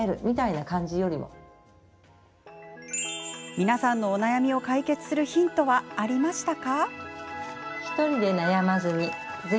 皆さんのお悩みを解決するヒントはありましたか？